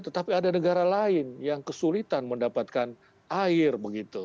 tetapi ada negara lain yang kesulitan mendapatkan air begitu